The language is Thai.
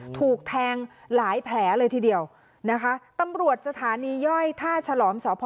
ถูกแทงหลายแผลเลยทีเดียวนะคะตำรวจสถานีย่อยท่าฉลอมสพ